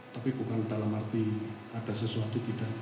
tapi bukan dalam arti ada sesuatu tidak